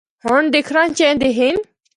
ہور دکھنڑا چہندے ہن۔